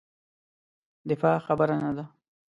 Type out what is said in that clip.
دفاع خبره نه ده.